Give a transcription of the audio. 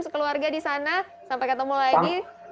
sampai ketemu lagi di sana